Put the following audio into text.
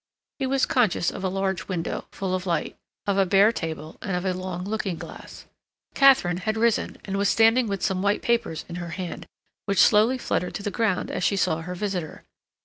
He was conscious of a large window, full of light, of a bare table, and of a long looking glass. Katharine had risen, and was standing with some white papers in her hand, which slowly fluttered to the ground as she saw her visitor.